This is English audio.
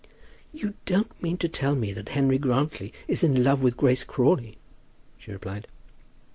"You don't mean to tell me that Henry Grantly is in love with Grace Crawley?" she replied.